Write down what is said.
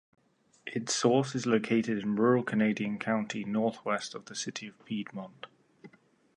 Its source is located in rural Canadian County northwest of the city of Piedmont.